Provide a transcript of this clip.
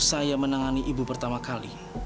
saya menangani ibu pertama kali